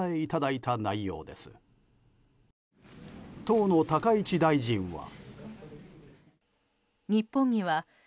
当の高市大臣は。